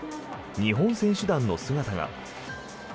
日本選手団の姿が。